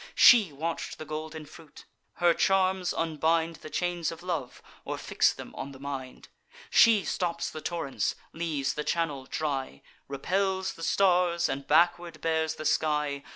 She watch'd the golden fruit; her charms unbind The chains of love, or fix them on the mind: She stops the torrents, leaves the channel dry, Repels the stars, and backward bears the sky.